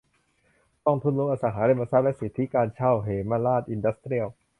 กองทุนรวมอสังหาริมทรัพย์และสิทธิการเช่าเหมราชอินดัสเตรียล